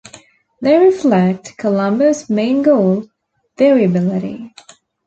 They reflect Colombo's main goal, variability.